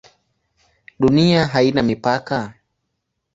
Dunia haina mipaka?